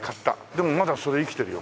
でもまだそれ生きてるよ。